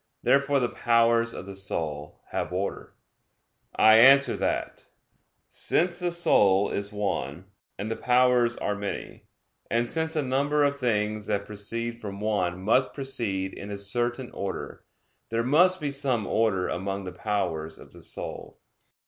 Therefore the powers of the soul have order. I answer that, Since the soul is one, and the powers are many; and since a number of things that proceed from one must proceed in a certain order; there must be some order among the powers of the soul.